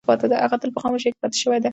هغه تل په خاموشۍ کې پاتې شوې ده.